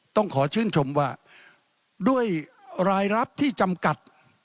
ต้องขอชื่นชมว่าด้วยรายรับที่จำกัด